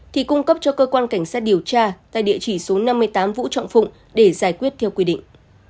thì cung cấp cho cơ quan cảnh sát điều tra tại địa chỉ số năm mươi tám vũ trọng phụng để giải quyết theo quy định